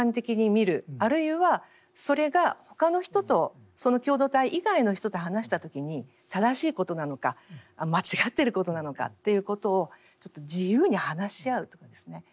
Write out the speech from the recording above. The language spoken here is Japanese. あるいはそれが他の人とその共同体以外の人と話した時に正しいことなのか間違っていることなのかということをちょっと自由に話し合うとかですね